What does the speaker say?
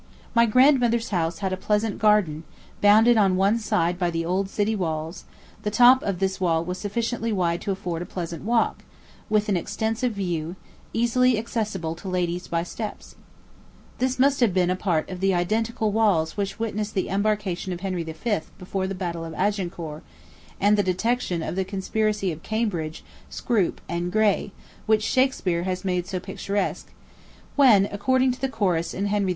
My grandmother's house had a pleasant garden, bounded on one side by the old city walls; the top of this wall was sufficiently wide to afford a pleasant walk, with an extensive view, easily accessible to ladies by steps. This must have been a part of the identical walls which witnessed the embarkation of Henry V. before the battle of Agincourt, and the detection of the conspiracy of Cambridge, Scroop, and Grey, which Shakspeare has made so picturesque; when, according to the chorus in Henry V.